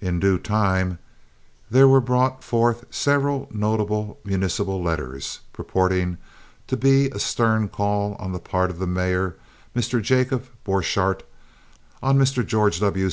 In due time there were brought forth several noble municipal letters, purporting to be a stern call on the part of the mayor, Mr. Jacob Borchardt, on Mr. George W.